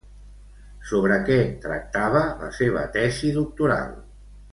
Sobre què tractava la seva tesi doctoral?